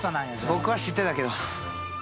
僕は知ってたけど。